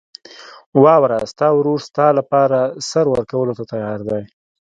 واوره، ستا ورور ستا لپاره سر ورکولو ته تیار دی.